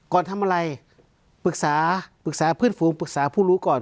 ก่อนทำอะไรปรึกษาปรึกษาเพื่อนฝูงปรึกษาผู้รู้ก่อน